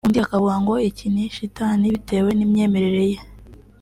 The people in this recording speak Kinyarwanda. undi akavuga ngo iki ni shitani bitewe n’imyememerere ye